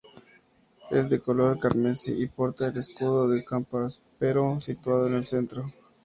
Es de color carmesí y porta el escudo de Campaspero situado en el centro.